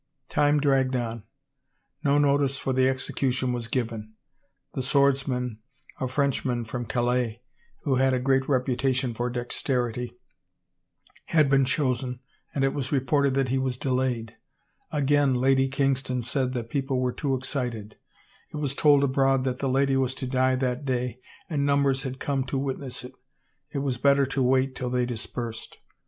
Time dragged on. No notice for the execution was given. The swordsman, a Frenchman from Calais, who had a great reputation for dexterity, had been chosen and it was reported that he was delayed. Again, Lady Kings ton said that the people were too excited; it was told abroad that the lady was to die that day and numbers had come to witness it; it was better to wait till they dispersed.